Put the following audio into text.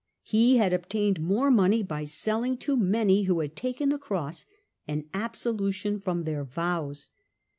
He had obtained more money by selling to many who had taken the Cross an absolution from their vows.